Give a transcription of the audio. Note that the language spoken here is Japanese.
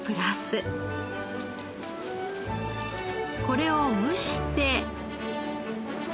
これを蒸して。